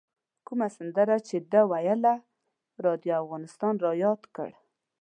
کومه سندره چې ده ویله راډیو افغانستان رایاد کړ.